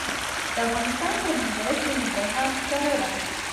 د افغانستان په منظره کې ننګرهار ښکاره ده.